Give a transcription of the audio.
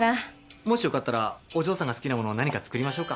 もしよかったらお嬢さんが好きなもの何か作りましょうか？